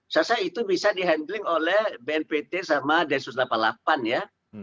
saya rasa itu bisa di handling oleh bnpt sama densus delapan puluh delapan ya